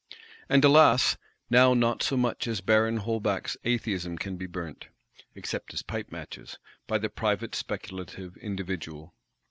And, alas, now not so much as Baron Holbach's Atheism can be burnt,—except as pipe matches by the private speculative individual.